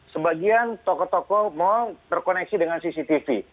sebagian tokoh tokoh mau berkoneksi dengan cctv